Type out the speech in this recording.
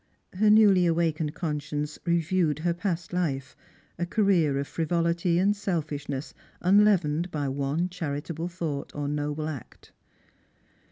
" Her newly awakened conscience reviewed her past hfe, a career of frivolity and selfishness unleavened by one charitable thought or noble act.